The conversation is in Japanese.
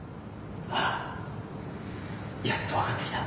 ああやっと分かってきた。